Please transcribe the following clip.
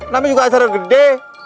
namanya juga saran gede